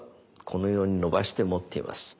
このように伸ばして持っています。